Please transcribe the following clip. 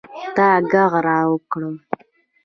تا ږغ را وکړئ.